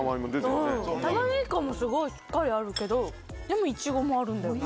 玉ねぎ感もすごいしっかりあるけどでもイチゴもあるんだよな。